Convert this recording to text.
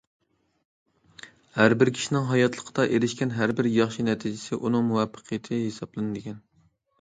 ھەر بىر كىشىنىڭ ھاياتلىقتا ئېرىشكەن ھەر بىر ياخشى نەتىجىسى ئۇنىڭ مۇۋەپپەقىيىتى ھېسابلىنىدىكەن.